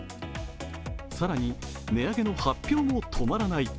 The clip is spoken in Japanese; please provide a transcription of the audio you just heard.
更に値上げの発表も止まらない。